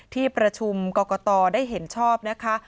ที่ประชุมกรกตได้เห็นชอบนะคะ